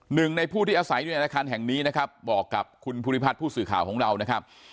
หนึ่งในผู้ที่อาศัยอยู่ในอาคารแห่งนี้นะครับบอกกับคุณภูริพัฒน์ผู้สื่อข่าวของเรานะครับ